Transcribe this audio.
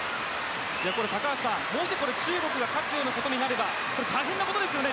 高橋さん、もし中国が勝つようなことになれば大変なことですよね。